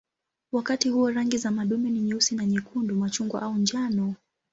Wakati huo rangi za madume ni nyeusi na nyekundu, machungwa au njano.